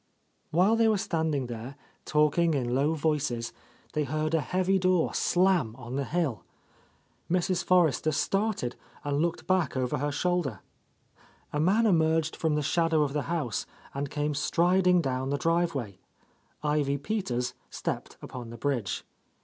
While they were standing there, talking in low voices, they heard a heavy door slam on the hill. Mrs. Forrester started and looked back over her shoulder. A man emerged from the shadow of the house and came striding down the drive way. Ivy Peters stepped upon the bridge.